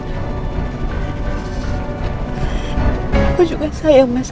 tapi aku gak mau se kickstarter jadi orang penjahat